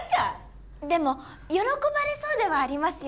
でも喜ばれそうではありますよね。